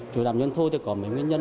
chủ tạm doanh thu có mấy nguyên nhân